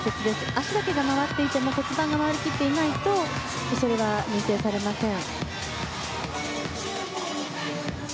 脚だけが回っていても骨盤が回り切っていないと認定されません。